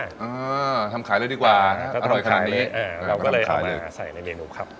อ่าทำขายเลยดีกว่าอร่อยขนาดนี้อ่าเราก็เลยเอามาใส่ในเมนูครับ